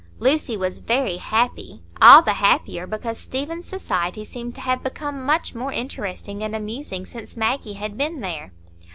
Lucy was very happy, all the happier because Stephen's society seemed to have become much more interesting and amusing since Maggie had been there.